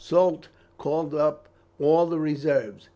Soult called up all the reserves.